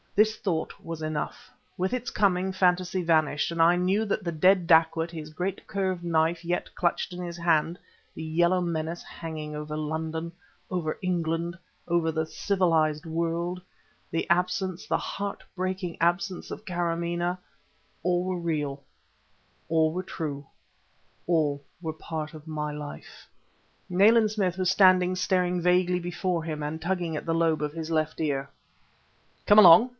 This thought was enough. With its coming, fantasy vanished; and I knew that the dead dacoit, his great curved knife yet clutched in his hand, the Yellow menace hanging over London, over England, over the civilized world, the absence, the heart breaking absence, of Kâramaneh all were real, all were true, all were part of my life. Nayland Smith was standing staring vaguely before him and tugging at the lobe of his left ear. "Come along!"